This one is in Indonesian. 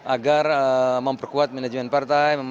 agar memperkuat manajemen partai